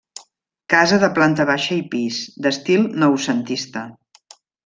Casa de planta baixa i pis, d'estil noucentista.